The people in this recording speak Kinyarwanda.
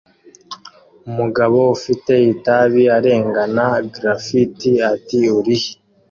Umugabo ufite itabi arengana graffitti ati "urihe?"